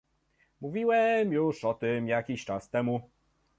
Mówiłem już o tym jakiś czas temu